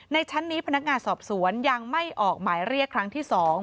ชั้นนี้พนักงานสอบสวนยังไม่ออกหมายเรียกครั้งที่๒